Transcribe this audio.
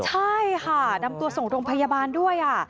ใช่ค่ะนำตัวส่งโรงพยาบาลด้วย